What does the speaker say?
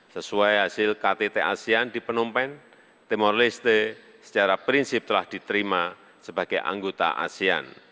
sesuai hasil ktt asean di penumpang timor leste secara prinsip telah diterima sebagai anggota asean